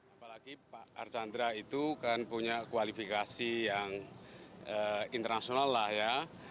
apalagi pak archandra itu kan punya kualifikasi yang internasional lah ya